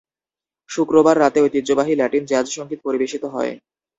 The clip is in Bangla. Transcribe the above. শুক্রবার রাতে ঐতিহ্যবাহী ল্যাটিন জ্যাজ সঙ্গীত পরিবেশিত হয়।